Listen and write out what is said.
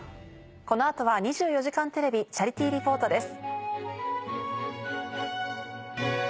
このあとは「２４時間テレビチャリティー・リポート」です。